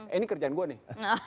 ini kerjaan gue nih